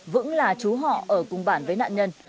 vững là chú họ ở cùng bản với nạn nhân